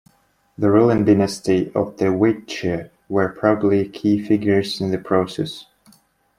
The ruling dynasty of the Hwicce were probably key figures in the process.